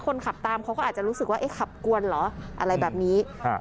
คนขับตามเขาก็อาจจะรู้สึกว่าเอ๊ะขับกวนเหรออะไรแบบนี้